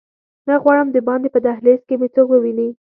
نه غواړم دباندې په دهلېز کې مې څوک وویني.